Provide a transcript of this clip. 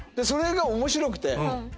それが面白くて。